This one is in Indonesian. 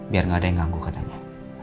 biar gak ada yang ganggu katanya